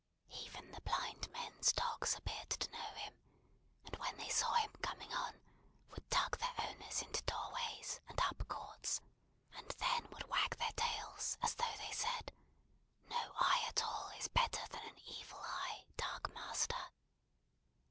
Even the blind men's dogs appeared to know him; and when they saw him coming on, would tug their owners into doorways and up courts; and then would wag their tails as though they said, "No eye at all is better than an evil eye, dark master!"